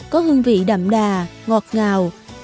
có hương vị đậm đà ngọt ngào